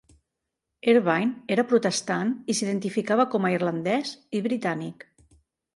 Ervine era protestant i s'identificava com a irlandès i britànic.